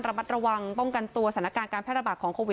ระมัดระวังป้องกันตัวสถานการณ์การแพร่ระบาดของโควิด